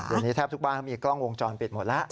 เดี๋ยวนี้แทบทุกบ้านเขามีกล้องวงจรปิดหมดแล้ว